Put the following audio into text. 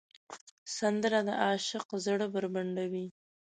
سندره د عاشق زړه بربنډوي